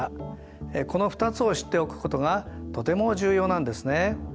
この２つを知っておくことがとても重要なんですね。